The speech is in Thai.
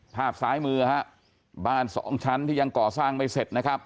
ภาพซ้ายมือฮะบ้านสองชั้นที่ยังก่อสร้างไม่เสร็จนะครับ